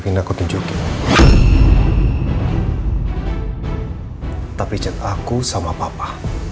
takut tunjukin tapi cat aku sama papa